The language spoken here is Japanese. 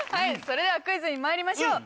それではクイズにまいりましょう。